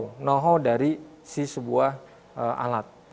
know how dari sebuah alat